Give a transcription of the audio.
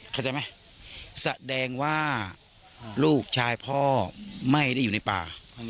เข้าใจไหมแสดงว่าลูกชายพ่อไม่ได้อยู่ในป่า